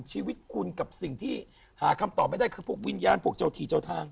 ชีวิตคุณกับสิ่งที่หาคำตอบไม่ได้คือพวกวิญญาณพวกเจ้าที่เจ้าทาง